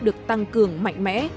được tăng cường mạnh mẽ